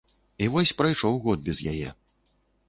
І вось прайшоў год без яе.